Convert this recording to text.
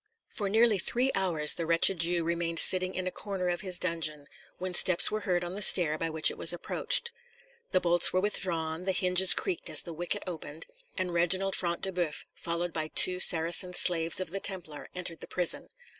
For nearly three hours the wretched Jew remained sitting in a corner of his dungeon, when steps were heard on the stair by which it was approached. The bolts were withdrawn, the hinges creaked as the wicket opened, and Reginald Front de Boeuf, followed by two Saracen slaves of the Templar, entered the prison.